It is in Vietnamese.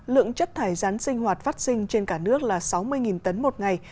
lượng chất thải rán sinh hoạt phát sinh trên cả nước là sáu mươi tấn một ngày